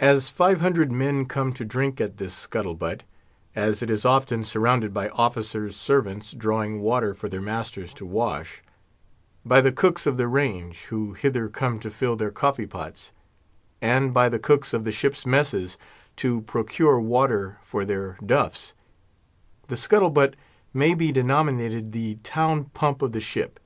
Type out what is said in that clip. As five hundred men come to drink at this scuttle butt; as it is often surrounded by officers' servants drawing water for their masters to wash; by the cooks of the range, who hither come to fill their coffee pots; and by the cooks of the ship's messes to procure water for their duffs; the scuttle butt may be denominated the town pump of the ship.